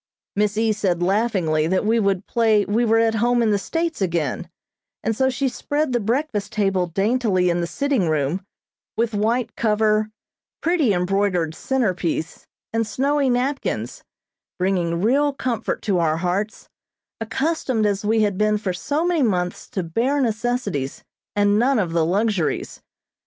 Miss E. said laughingly that we would play we were at home in the States again, and so she spread the breakfast table daintily in the sitting room, with white cover, pretty embroidered centre piece, and snowy napkins, bringing real comfort to our hearts, accustomed as we had been for so many months to bare necessities and none of the luxuries.